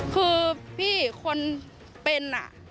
คือพี่คนเป็น